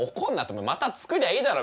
また作りゃいいだろ。